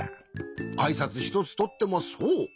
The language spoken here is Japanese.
あいさつひとつとってもそう。